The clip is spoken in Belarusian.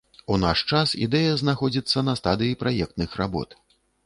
У наш час ідэя знаходзіцца на стадыі праектных работ.